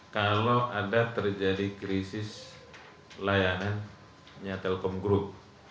kalau ada terjadi krisis layanannya telkom group